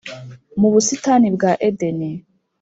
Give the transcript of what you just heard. mu busitani bwa edeni.